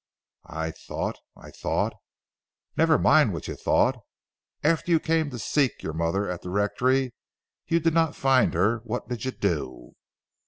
"I thought I thought " "Never mind what you thought. After you came to seek your mother at the rectory, and did not find her, what did you do?"